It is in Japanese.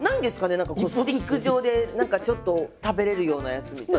何かこうスティック状で何かちょっと食べれるようなやつみたいな。